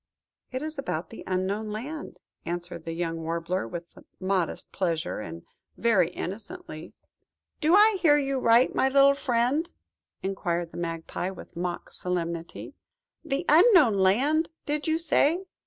"It is about the Unknown Land," answered the young Warbler, with modest pleasure, and very innocently. "Do I hear you right, my little friend?" inquired the Magpie with mock solemnity–"The Unknown Land, did you say?